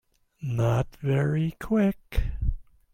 Not very Quick.